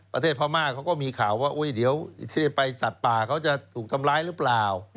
พม่าเขาก็มีข่าวว่าเดี๋ยวที่จะไปสัตว์ป่าเขาจะถูกทำร้ายหรือเปล่า